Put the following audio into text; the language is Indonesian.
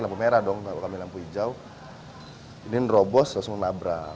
lampu merah dong kalau kami lampu hijau ini robos langsung nabrak